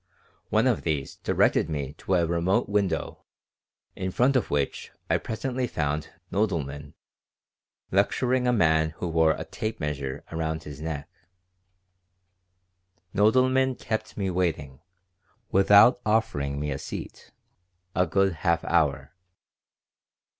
One of these directed me to a remote window, in front of which I presently found Nodelman lecturing a man who wore a tape measure around his neck Nodelman kept me waiting, without offering me a scat, a good half hour.